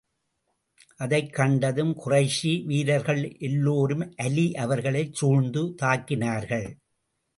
அதைக் கண்டதும் குறைஷி வீரர்கள் எல்லோரும் அலி அவர்களைச் சூழ்ந்து தாக்கினார்கள்.